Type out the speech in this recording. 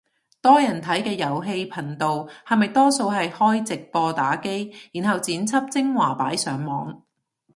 多人睇嘅遊戲頻道係咪多數係開直播打機，然後剪輯精華擺上網